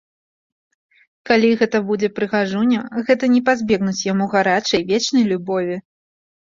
Калі гэта будзе прыгажуня, гэта не пазбегнуць яму гарачай, вечнай любові.